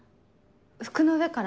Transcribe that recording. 服の上から？